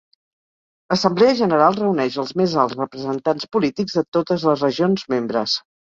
L'Assemblea General reuneix els més alts representants polítics de totes les regions membres.